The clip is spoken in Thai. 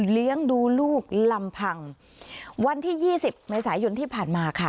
เลี้ยงดูลูกลำพังวันที่๒๐ในสายุนที่ผ่านมาค่ะ